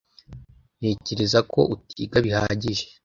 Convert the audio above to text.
Ntekereza ko utiga bihagije